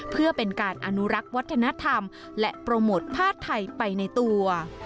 เพื่อเป็นการอนุรักษ์วัฒนธรรมและโปรโมทผ้าไทยไปในตัว